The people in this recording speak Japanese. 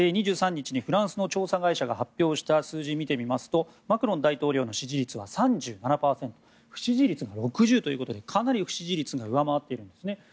２３日にフランスの調査会社が発表した数字を見てみますとマクロン大統領の支持率は３７％不支持率が６０ということでかなり不支持率が上回っているんですね。